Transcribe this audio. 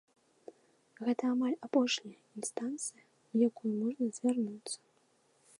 Гэта амаль апошняя інстанцыя, у якую можна звярнуцца.